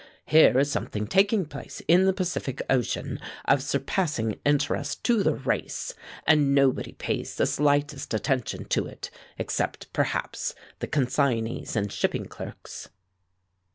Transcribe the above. Here is something taking place in the Pacific Ocean of surpassing interest to the race, and nobody pays the slightest attention to it except, perhaps, the consignees and shipping clerks."